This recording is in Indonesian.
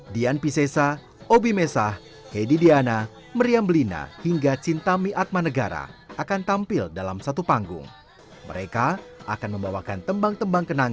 empat juni dua ribu dua puluh tiga akan menjadi momen nostalgia bagi para pecinta musik delapan puluh sembilan puluh an